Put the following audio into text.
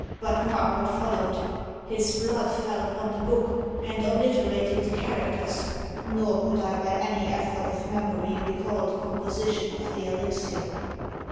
But mark what followed. His blood fell upon the book, and obliterated the characters; nor could I by any effort of memory recall the composition of the elixir."